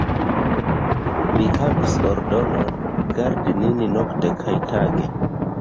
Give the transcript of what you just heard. Li havis ordonon, gardi nin nokte kaj tage.